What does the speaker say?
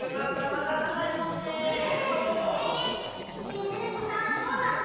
ねえデテコさんどうだった？